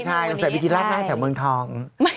ใช่ใช่แต่วิทยาลับน่าจะเมืองทอง